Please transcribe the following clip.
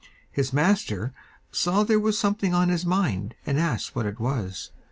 His master saw there was something on his mind, and asked what it was.